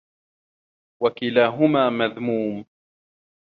وَكِلَاهُمَا مَذْمُومٌ